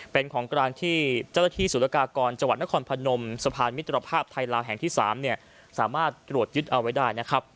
เป็นของกลางที่เจ้าหน้าที่สุรกากรจังหวัดนครพนมสะพานมิตรภาพไทยลาวแห่งที่๓สามารถตรวจยึดเอาไว้ได้นะครับ